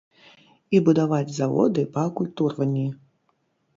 І будаваць заводы па акультурванні.